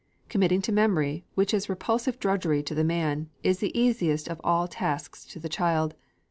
Committing to memory, which is repulsive drudgery to the man, is the easiest of all tasks to the child.